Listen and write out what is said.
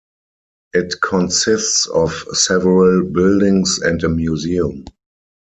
It consists of several buildings and a museum.